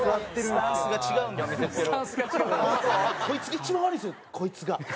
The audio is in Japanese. こいつが。